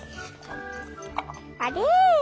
あれ？